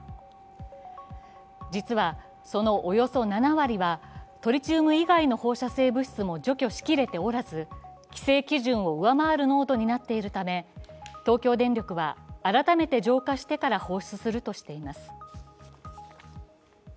実は、そのおよそ７割はトリチウム以外の放射性物質も除去しきれておらず、規制基準を上回る濃度になっているため東京電力は改めて浄化してから放出するとしています。